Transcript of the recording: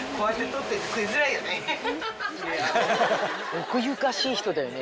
奥ゆかしい人だよね。